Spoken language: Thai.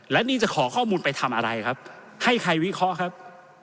และนี่จะขอข้อมูลไปทำอะไรครับให้ใครวิเคราะห์ครับ